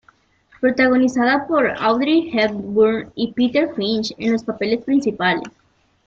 Protagonizada por Audrey Hepburn y Peter Finch en los papeles principales.